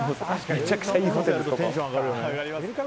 めちゃくちゃいいホテルです。